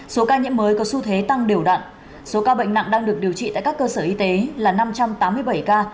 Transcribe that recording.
số ca nhiễm mới có xu thế tăng đều đặn số ca bệnh nặng đang được điều trị tại các cơ sở y tế là năm trăm tám mươi bảy ca